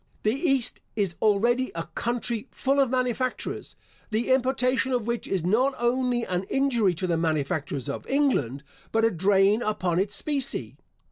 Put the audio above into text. The East is already a country full of manufactures, the importation of which is not only an injury to the manufactures of England, but a drain upon its specie.